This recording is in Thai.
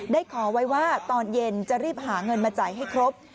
ขอไว้ว่าตอนเย็นจะรีบหาเงินมาจ่ายให้ครบ